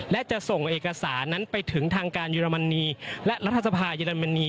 และจะส่งเอกสารนั้นไปถึงทางการเยอรมนีและรัฐสภาเยอรมนี